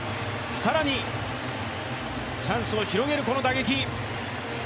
更に、チャンスを広げるこの打撃。